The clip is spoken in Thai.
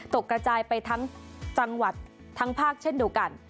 กระจายไปทั้งจังหวัดทั้งภาคเช่นเดียวกัน